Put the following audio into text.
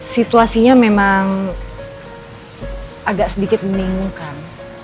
situasinya memang agak sedikit membingungkan